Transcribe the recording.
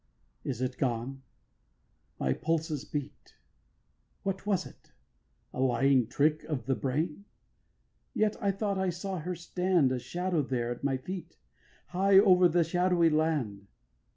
2. Is it gone? my pulses beat What was it? a lying trick of the brain? Yet I thought I saw her stand, A shadow there at my feet, High over the shadowy land.